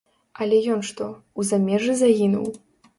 А ён што, у замежжы загінуў?